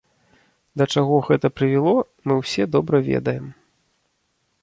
Да чаго гэта прывяло, мы ўсе добра ведаем.